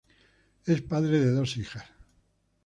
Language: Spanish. Es padre de dos hijas.